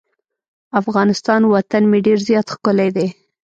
افغانستان وطن مې ډیر زیات ښکلی دی.